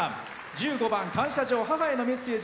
１５番「感謝状母へのメッセージ」